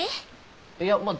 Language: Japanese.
いやまあ